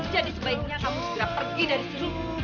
sebaiknya kamu segera pergi dari sini